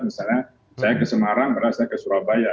misalnya saya ke semarang karena saya ke surabaya